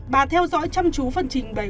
bà theo dõi chăm chú phần trình bày